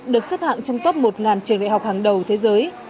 được xếp hạng trong top một trường đại học hàng đầu thế giới